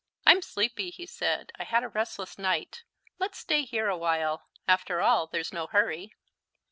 "I'm sleepy," he said; "I had a restless night. Let's stay here awhile; after all, there's no hurry."